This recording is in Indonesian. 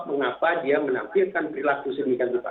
mengapa dia menampilkan perilaku sedemikian rupa